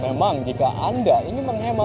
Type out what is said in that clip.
memang jika anda ingin menghemat uang